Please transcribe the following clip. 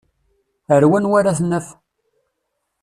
Ar wanwa ara t-naf?